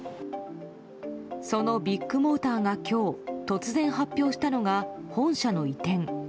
そのビッグモーターが今日突然、発表したのが本社の移転。